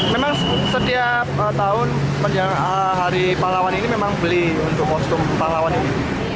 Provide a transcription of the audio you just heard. memang setiap tahun hari pahlawan ini memang beli untuk kostum pahlawan ini